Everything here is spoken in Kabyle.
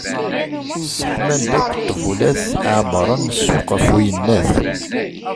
Sseḥman-d akk ṭbulat, ԑemren ssuq γef uyennat.